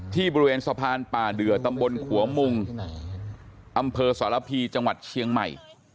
ที่บริเวณสะพานป่าเดือตำบลขัวมุงอำเภอสารพีจังหวัดเชียงใหม่